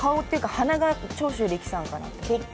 鼻が長州力さんかなと。